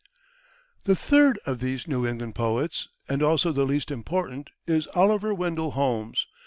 The third of these New England poets, and also the least important, is Oliver Wendell Holmes.